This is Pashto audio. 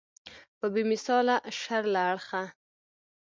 په بې مثاله شر له اړخه.